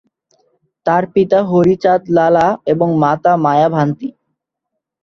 তাঁর পিতা হরি চাঁদ লালা এবং মাতা মায়া ভান্তি।